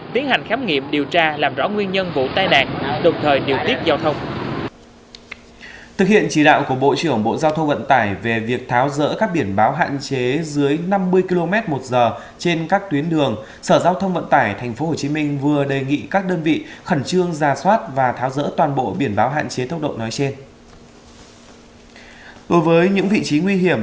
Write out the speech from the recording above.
thực hiện chỉ đạo của bộ trưởng bộ giao thông vận tải về việc tháo rỡ các biển báo hạn chế dưới năm mươi km một giờ trên các tuyến đường sở giao thông vận tải tp hcm vừa đề nghị các đơn vị khẩn trương ra soát và tháo rỡ toàn bộ biển báo hạn chế tốc độ nói trên